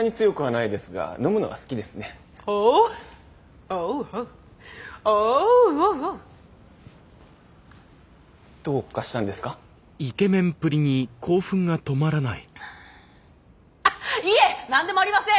いえ何でもありません！